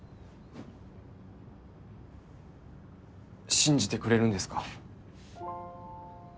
信じてくれるんですか？